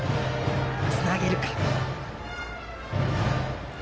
つなげるか。